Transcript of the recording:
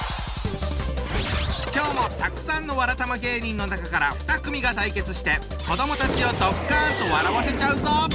今日もたくさんのわらたま芸人の中から２組が対決して子どもたちをドッカンと笑わせちゃうぞ！